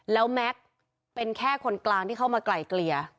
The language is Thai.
แล้วแม็กซ์เป็นแค่คนกลางที่เข้ามาไกลเกลี่ย